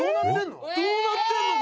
「どうなってんの？